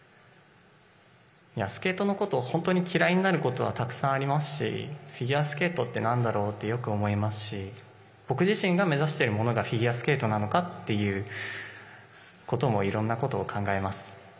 スケートのことを本当に嫌いになることはたくさんありますしフィギュアスケートってなんだろうってよく思いますし僕自身が目指しているものがフィギュアスケートなのかということもいろんなことを考えます。